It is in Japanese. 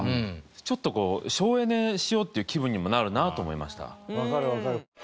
ちょっとこう省エネしようっていう気分にもなるなと思いました。